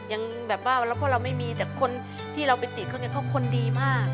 ยังแบบว่าแล้วเพราะเราไม่มีแต่คนที่เราไปติดเขาเนี่ยเขาคนดีมาก